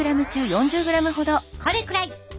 これくらい！